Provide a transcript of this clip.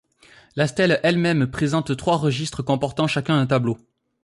La stèle elle-même présente trois registres comportant chacun un tableau.